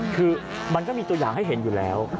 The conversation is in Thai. คือมันก็มีตัวอย่างให้เห็นอยู่แล้ว